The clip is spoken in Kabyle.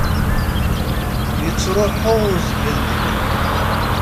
Yettruḥ uzgen deg-i.